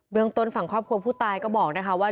เมืองต้นฝั่งครอบครัวผู้ตายก็บอกนะคะว่า